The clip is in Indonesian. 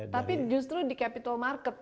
tapi justru di capital market